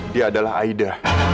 dia adalah aida